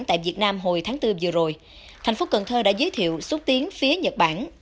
tại việt nam hồi tháng bốn vừa rồi thành phố cần thơ đã giới thiệu xúc tiến phía nhật bản